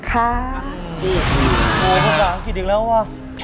โอ้โหภาษาอังกฤษอีกแล้วว่ะ